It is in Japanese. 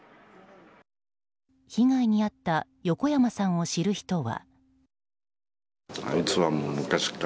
被害に遭った横山さんを知る人は。